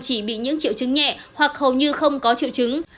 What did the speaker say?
chỉ bị những triệu chứng nhẹ hoặc hầu như không có triệu chứng